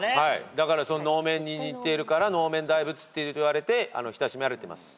だから能面に似てるから能面大仏っていわれて親しまれてます。